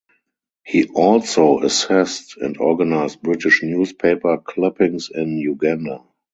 He also assessed and organized British newspaper clippings on Uganda.